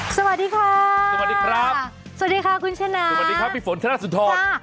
สวัสดีค่ะสวัสดีครับสวัสดีค่ะคุณชนะสวัสดีครับพี่ฝนธนสุนทร